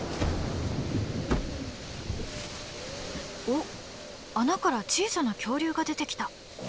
おっ穴から小さな恐竜が出てきた。